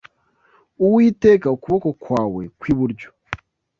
Uwiteka ukuboko kwawe kw’iburyo